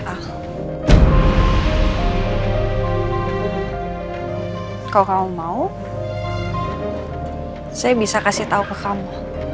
kalau kamu mau saya bisa kasih tahu ke kamu